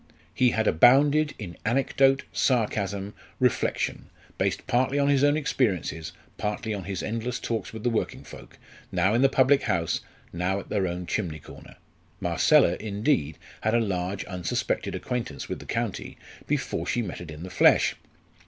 He had abounded in anecdote, sarcasm, reflection, based partly on his own experiences, partly on his endless talks with the working folk, now in the public house, now at their own chimney corner. Marcella, indeed, had a large unsuspected acquaintance with the county before she met it in the flesh.